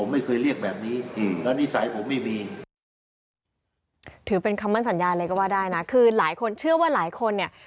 มันสัญญาอะไรก็ว่าได้นะคือหลายคนเชื่อว่าหลายคนเนี่ย